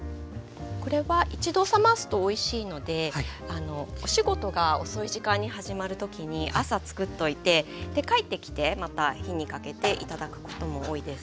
これは一度冷ますとおいしいのでお仕事が遅い時間に始まる時に朝つくっておいて帰ってきてまた火にかけて頂くことも多いです。